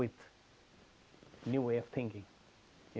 kita harus menemukan cara berpikir baru